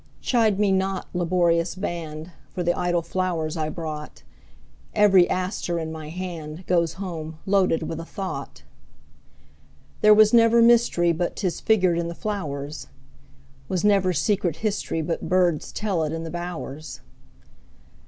Chide me not, laborious band, For the idle flowers I brought; Every aster in my handGoes home loaded with a thought. There was never mysteryBut 'tis figured in the flowers; SWas never secret historyBut birds tell it in the bowers.